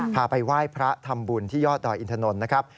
ไปไหว้พระทำบุญที่ยอดดอยอินทนนท์นะครับ